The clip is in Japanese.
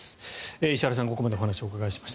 石原さんにここまでお話をお伺いしました。